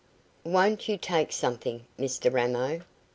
"Won't you take something, Mr Ramo?"